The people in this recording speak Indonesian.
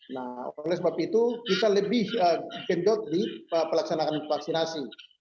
nah oleh sebab itu kita lebih gendot di pelaksanaan vaksinasi